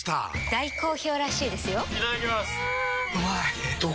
大好評らしいですよんうまい！